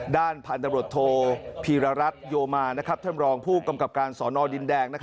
ด้านพันธบรวจโทพีรรัฐโยมาท่านรองผู้กำกับการสอนอดินแดง